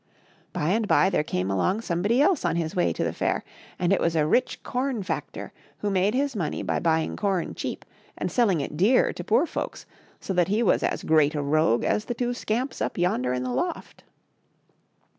By and by there came along somebody else on his way to the fair, and it was a rich corn factor who made his money by buying com cheap, and selling it dear to poor folks, so that he was as great a rogue as the two scamps up yonder in the loft.